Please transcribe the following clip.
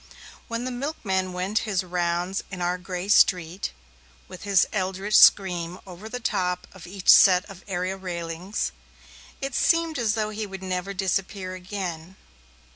When the milkman went his rounds in our grey street, with his eldritch scream over the top of each set of area railings, it seemed as though he would never disappear again.